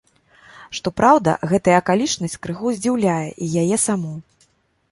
Што праўда, гэтая акалічнасць крыху здзіўляе і яе саму.